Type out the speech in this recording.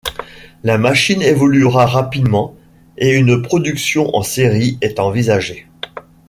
La machine évoluera rapidement et une production en série est envisagée.